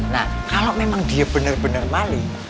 nah kalau memang dia bener bener maling